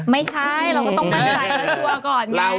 ไม่ใช่เราก็ต้องมั่นใสแล้วชัวก่อน